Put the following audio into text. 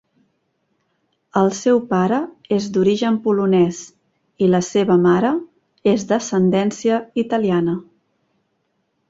El seu pare és d'origen polonès i la seva mare és d'ascendència italiana.